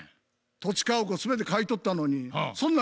「土地家屋全て買い取ったのにそんなん